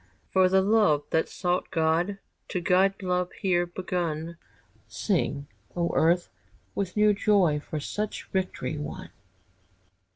For the love that sought God To guide love here begun! Sing, O earth, with new joy For such victory won!